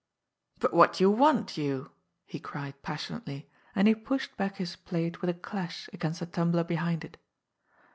"But what do you want, you?" he cried passionately, and he pushed back his plate with a clash against the tumbler behind it.